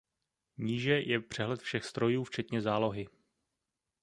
Níže je přehled všech strojů včetně zálohy.